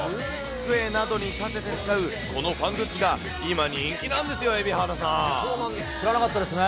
机などに立てて使うこのファングッズが、今人気なんですよ、知らなかったですね。